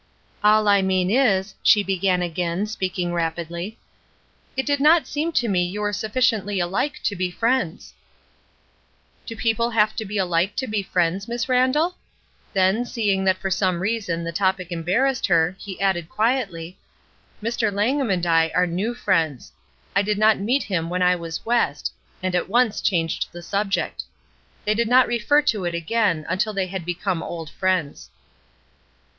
"All I mean is," she began again, speaking rapidly, "it did not seem to me you were sufficiently alike to be friends." 408 ESTER RIED'S NAMESAKE ((• Do people have to be alike to be friends, Miss Randall?*' Then, seeing that for some , reason the topic embarrassed her, he added quietly, "Mr. Langham and I are new friends. I did not meet him when I was West," and at once changed the subject. They did not refer to it again until they had become old friends.